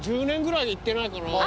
１０年ぐらい行ってないかな